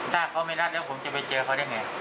ถ้าเขาไม่รับแล้วผมจะไปเจอเขาได้ไง